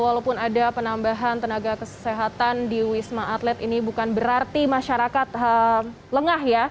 walaupun ada penambahan tenaga kesehatan di wisma atlet ini bukan berarti masyarakat lengah ya